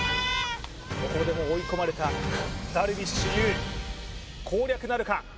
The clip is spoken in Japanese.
ここでもう追い込まれたダルビッシュ有攻略なるか？